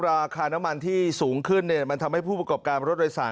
ราคาน้ำมันที่สูงขึ้นเนี่ยมันทำให้ผู้ประกอบการรถโดยสาร